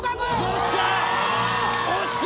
よっしゃ！